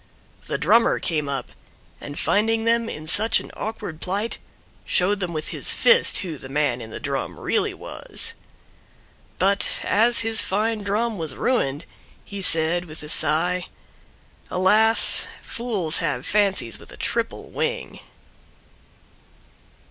The drummer came up, and finding them in such an awkward plight showed them with his fist who the man in the Drum really was. But as his fine Drum was ruined, he said, with a sigh, "Alas! Fools have fancies with a triple wing!"